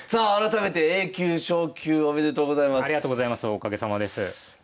おかげさまです。